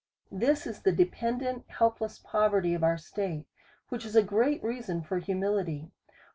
This is the dependent helpless poverty of our state ; which is a great reason for humility.